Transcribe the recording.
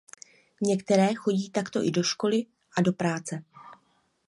Některé chodí takto i do školy a do práce.